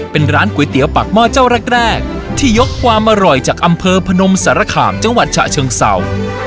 เป็นร้านก๋วยเตี๋ยวปากหม้อเจ้าแรกที่ยกความอร่อยจากอำเภอพนมสารคามจังหวัดฉะเชิงเศร้า